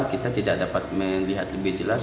kita tidak dapat melihat lebih jelas